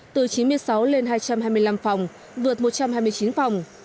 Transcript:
từ chín mươi sáu lên hai trăm hai mươi năm phòng vượt một trăm hai mươi chín phòng